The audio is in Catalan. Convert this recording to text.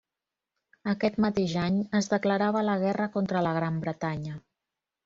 Aquest mateix any es declarava la guerra contra la Gran Bretanya.